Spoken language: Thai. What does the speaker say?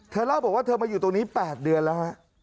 เล่าบอกว่าเธอมาอยู่ตรงนี้๘เดือนแล้วฮะ